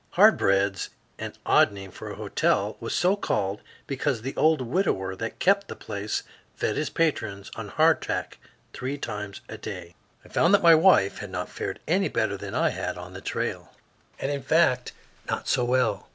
"Hard Bread's," an odd name for a hotel, was so called because the old widower that kept the place fed his patrons on hardtack three times a day. I found that my wife had not fared any better than I had on the trail, and in fact not so well.